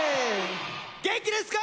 元気ですか！